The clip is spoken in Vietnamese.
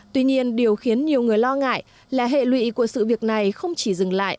tuy nhiên điều khiến nhiều người lo ngại là hệ lụy của sự việc này không chỉ dừng lại